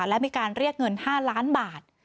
และมีการเรียกเงิน๕ล้านบาท